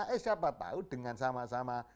eh siapa tahu dengan sama sama